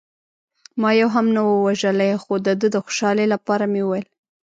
ما یو هم نه و وژلی، خو د ده د خوشحالۍ لپاره مې وویل.